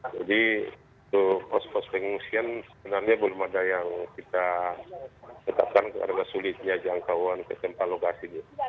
jadi itu pos pos pengungsian sebenarnya belum ada yang kita tetapkan karena sulitnya jangkauan ke tempat lokasinya